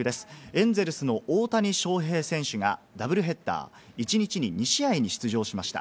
エンゼルスの大谷翔平選手がダブルヘッダー、一日に２試合に出場しました。